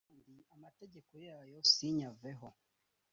kandi amategeko yayo sinyaveho